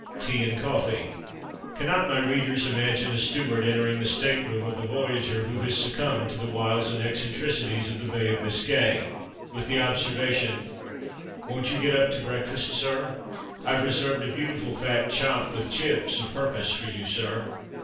tea and coffee. Cannot my readers imagine a steward entering the state room of the voyager who has succumbed to the wiles and eccentricities of the Bay of Biscay, with the observation: "Won't you get up to breakfast, sir? I've reserved a beautiful fat chop, with chips, o' purpose for you, sir."